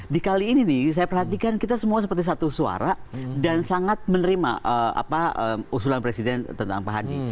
di kali ini nih saya perhatikan kita semua seperti satu suara dan sangat menerima usulan presiden tentang pak hadi